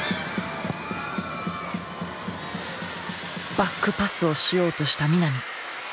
バックパスをしようとした南。